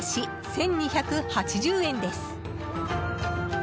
１２８０円です。